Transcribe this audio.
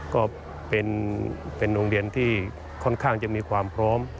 ก็เป็นโรงเรียนที่ค่อนข้างจะมีความพร้อม